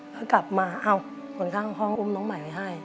ก็กลับมาเอ้าคนข้างห้องอุ้มน้องใหม่ไปให้